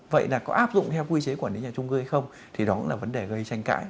vậy là có áp dụng theo quy chế quản lý nhà trung cư hay không thì đó cũng là vấn đề gây tranh cãi